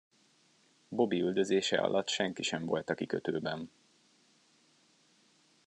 Bobby üldözése alatt senki sem volt a kikötőben.